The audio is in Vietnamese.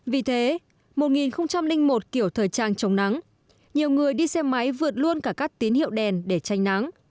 vì thế một nghìn một kiểu thời trang trống nắng nhiều người đi xe máy vượt luôn cả các tín hiệu đèn để tránh nắng